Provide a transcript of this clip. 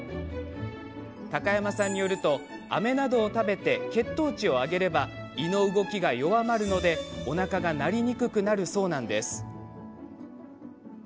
高山さんによると、あめなどを食べて血糖値を上げれば胃の動きが弱まるのでおなかが鳴りにくくなるそうなんです。